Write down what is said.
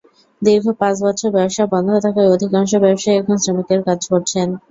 দীর্ঘ পাঁচ বছর ব্যবসা বন্ধ থাকায় অধিকাংশ ব্যবসায়ী এখন শ্রমিকের কাজ করছেন।